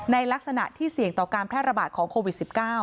ในลักษณะที่เสี่ยงต่อการแพร่ระบาดของโควิด๑๙